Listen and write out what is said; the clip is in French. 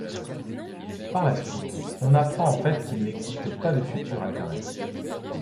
Par la suite, on apprend en fait qu'il n'existe pas de futur alternatif.